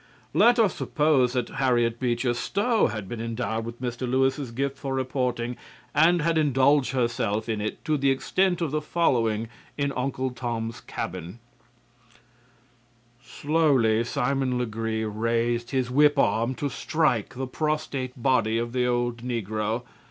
Let us suppose that Harriet Beecher Stowe had been endowed with Mr. Lewis's gift for reporting and had indulged herself in it to the extent of the following in "Uncle Tom's Cabin:" "Slowly Simon Legree raised his whip arm to strike the prostrate body of the old negro.